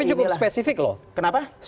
ini cukup spesifik loh kenapa